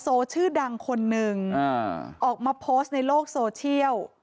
ออกมาโพสต์ในโลกโซเชียล